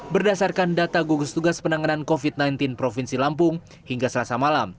berdasarkan data gugus tugas penanganan covid sembilan belas provinsi lampung hingga selasa malam